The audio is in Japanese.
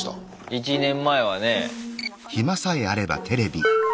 １年前はね。